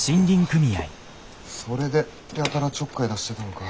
ああそれでやたらちょっかい出してたのか。